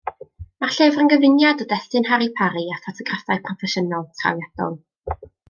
Mae'r llyfr yn gyfuniad o destun Harri Parri a ffotograffau proffesiynol, trawiadol.